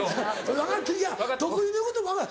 分かってる徳井の言うことも分かる。